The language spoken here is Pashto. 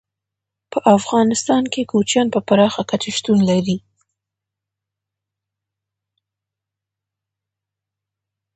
په افغانستان کې کوچیان په پراخه کچه شتون لري.